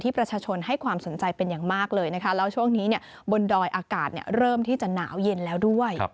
ประชาชนให้ความสนใจเป็นอย่างมากเลยนะคะแล้วช่วงนี้บนดอยอากาศเริ่มที่จะหนาวเย็นแล้วด้วย